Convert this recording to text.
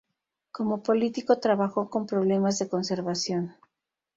Como político trabajó con problemas de conservación.